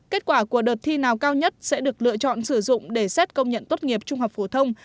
kết quả của đợt thi nào cao nhất sẽ được lựa chọn sử dụng để xét công nhận tốt nghiệp trung học phổ thông